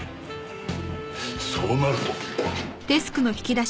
そうなると。